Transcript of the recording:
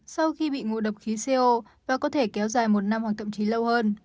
sau khi bị ngụ độc khí coo và có thể kéo dài một năm hoặc tậm chí lâu hơn